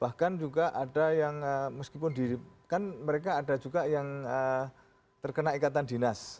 bahkan juga ada yang meskipun di kan mereka ada juga yang terkena ikatan dinas